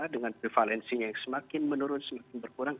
dengan prevalensinya yang semakin menurun semakin berkurang